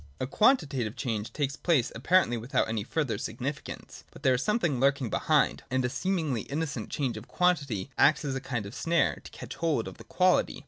A quantitative change takes place, apparently without any further significance : but there is something lurking behind, and a seemingly innocent change of quantity acts as a kind of snare, to catch hold of the quality.